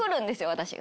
私が。